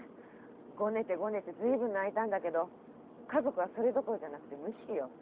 ごねてごねて随分泣いたんだけど家族はそれどころじゃなくて無視よ。